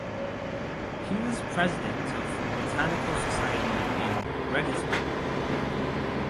He was president of the botanical society in Regensburg.